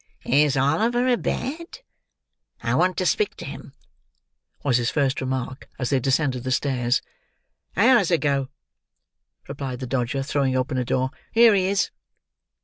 "Is Oliver a bed? I want to speak to him," was his first remark as they descended the stairs. "Hours ago," replied the Dodger, throwing open a door. "Here he is!"